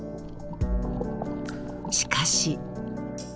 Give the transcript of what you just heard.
［しかし］